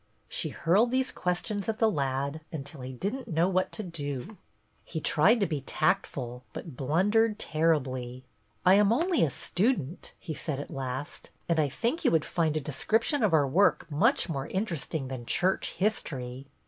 She hurled these questions at the lad until he didn't know what to BETTY BAIRD 150 do. He tried to be tactful, but blundered terribly. " I am only a student," he said at last, " and I think you would find a description of our work much more interesting than church history."